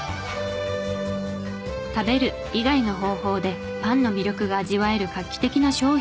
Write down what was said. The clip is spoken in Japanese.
「食べる」以外の方法でパンの魅力が味わえる画期的な商品。